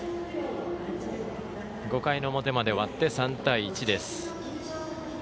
５回表まで終わって３対１です。